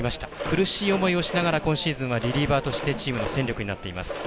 苦しい思いをしながら今シーズンはリリーバーとしてチームの戦力になっています。